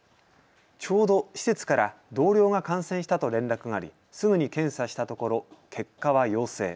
ちょうど施設から同僚が感染したと連絡があり、すぐに検査したところ、結果は陽性。